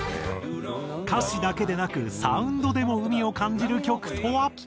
歌詞だけでなくサウンドでも海を感じる曲とは？